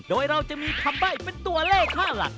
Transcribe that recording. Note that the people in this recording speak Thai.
โดยเราจะมีคำใบ้เป็นตัวเลขค่าหลัก